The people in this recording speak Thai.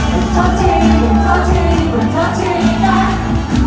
โทษทีโทษทีโทษทีกัน